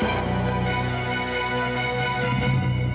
kamu nampak nggak ingin sudah ke